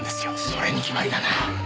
それに決まりだな。